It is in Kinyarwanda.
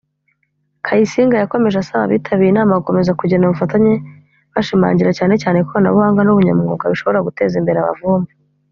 Kayisinga yakomeje asaba abitabiriye inama gukomeza kugirana ubufatanye bashimangira cyane cyane ikoranabuhanga n’ubunyamwuga bishobora guteza imbere abavumvu